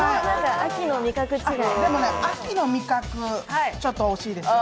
秋の味覚、ちょっと惜しいですよ。